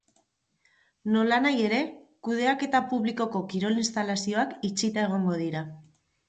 Nolanahi ere, kudeaketa publikoko kirol instalazioak itxita egongo dira.